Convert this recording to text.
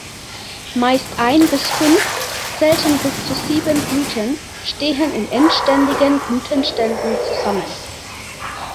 Meist ein bis fünf, selten bis zu sieben Blüten stehen in endständigen Blütenständen zusammen.